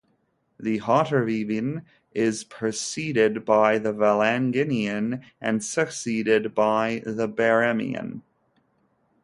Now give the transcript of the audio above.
The Hauterivian is preceded by the Valanginian and succeeded by the Barremian.